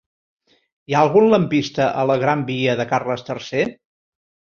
Hi ha algun lampista a la gran via de Carles III?